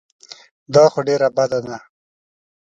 دا خو ډېره بده ده.